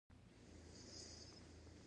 علم او پوهه انسان له تیاره څخه رڼا ته وړي.